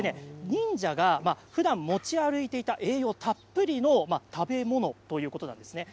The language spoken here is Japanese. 忍者がふだん持ち歩いていた栄養たっぷりの食べ物ということなんですね。